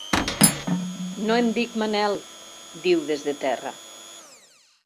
No em dic Manel —diu des de terra.